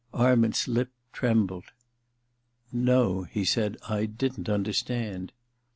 Arment's lip trembled. ^ No,' he said, * I didn't understand.'